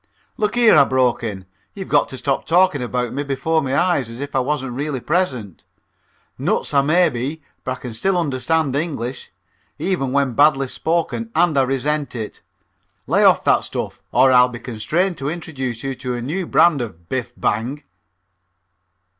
"Look here," I broke in. "You've got to stop talking about me before my face as if I wasn't really present. Nuts I may be, but I can still understand English, even when badly spoken, and resent it. Lay off that stuff or I'll be constrained to introduce you to a new brand of 'Biff! Bang!'"